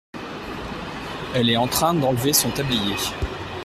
Elle est en train d’enlever son tablier.